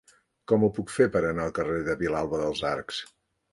Com ho puc fer per anar al carrer de Vilalba dels Arcs?